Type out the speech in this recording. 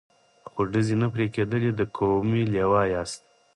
خو ډزې نه پرې کېدلې، د کومې لوا یاست؟